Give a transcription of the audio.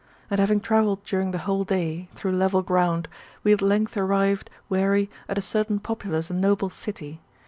And having travelled during the whole day, through level ground, we at length arrived, weary, at a certain populous and noble city.